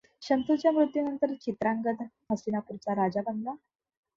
शंतनूच्या मृत्यूनंतर चित्रांगद हस्तिनापूरचा राजा बनला.